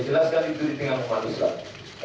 jelaskan itu di tengah umat islam